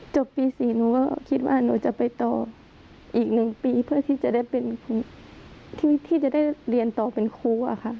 จบปี๔หนูก็คิดว่าหนูจะไปต่ออีก๑ปีเพื่อที่จะได้เป็นครูที่จะได้เรียนต่อเป็นครูอะค่ะ